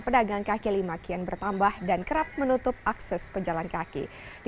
pedagang kaki lima kian bertambah dan kerap menutup akses pejalan kaki di